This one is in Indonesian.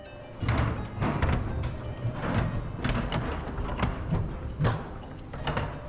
ketika masjid ini diundang